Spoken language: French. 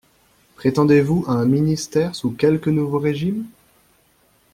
Prétendez-vous à un ministère sous quelque nouveau régime?